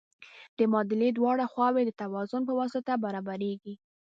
د معادلې دواړه خواوې د توازن په واسطه برابریږي.